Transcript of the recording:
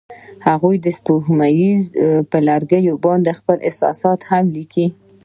هغوی د سپوږمۍ پر لرګي باندې خپل احساسات هم لیکل.